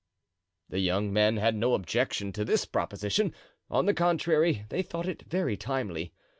The young men had no objection to this proposition; on the contrary, they thought it very timely.